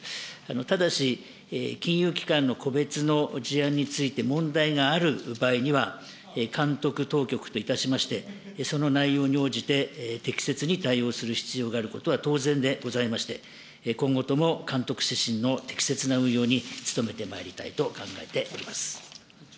ただし、金融機関の個別の事案について問題がある場合には、監督当局といたしまして、その内容に応じて、適切に対応する必要がある子とは当然でございまして、今後とも監督指針の適切な運用に努めてまいりたいと考えております。